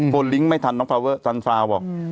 โฟลลิงค์ไม่ทันน้องฟาวเวอร์ฟาวบอก